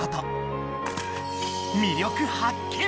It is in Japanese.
魅力発見！